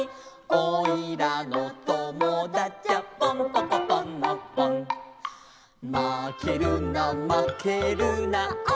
「おいらのともだちゃポンポコポンのポン」「まけるなまけるなおしょうさんにまけるな」